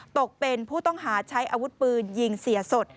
ตกเป็นผู้ต้องหาใช้อาวุธปืนยิงเสียสด